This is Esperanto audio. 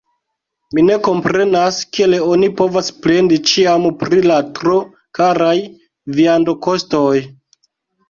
Mi ne komprenas, kiel oni povas plendi ĉiam pri la tro karaj viandokostoj!